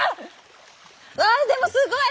うわでもすごい！